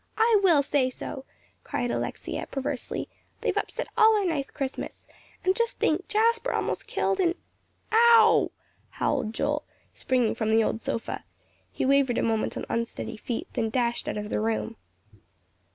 "I will say so," cried Alexia, perversely, "they've upset all our nice Christmas; and just think, Jasper almost killed, and " "Ow!" howled Joel, springing from the old sofa. He wavered a moment on unsteady feet, then dashed out of the room.